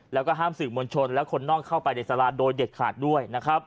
แล้วก็ห้ามสื่อมวลชนและคนนอกเข้าไปในสาราโดยเด็ดขาดด้วยนะครับ